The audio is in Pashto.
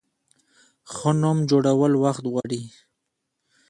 ښه نوم جوړول وخت غواړي.